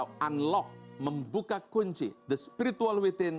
untuk membuka kunci spiritual